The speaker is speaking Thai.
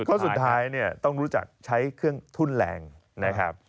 ข้อสุดท้ายเนี่ยต้องรู้จักใช้เครื่องทุ่นแรงนะครับ